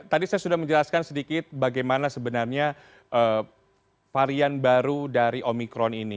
tadi saya sudah menjelaskan sedikit bagaimana sebenarnya varian baru dari omikron ini